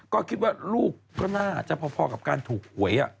ก็คิดว่าลูกก็น่าจะพอกับการถูกหวย